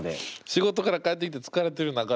仕事から帰ってきて疲れてる中で。